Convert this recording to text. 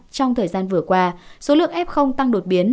trong thời gian vừa qua số lượng f tăng đột biến